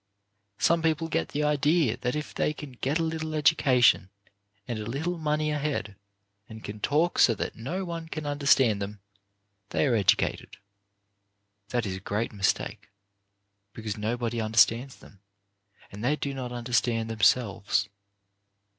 Some people get the idea that if they can get a little education, and a little money ahead, and can talk so that no one can understand them, they are educated. That is a great mistake, because nobody understands them, and they do not understand themselves.